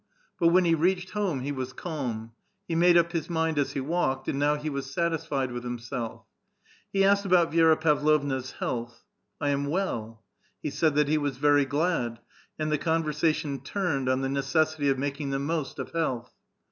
But when he reached home he was calm ; he made up his mind as he walked, and now he was satisfied with himself. He asked about Vi^ra Pavlovna's health. "I am well." He said that he was very glad, and the conversation turned on the necessity of making the most of health.